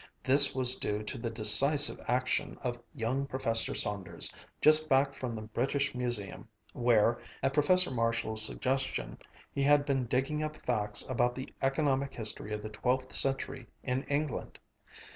This was due to the decisive action of young Professor Saunders, just back from the British Museum, where, at Professor Marshall's suggestion, he had been digging up facts about the economic history of the twelfth century in England.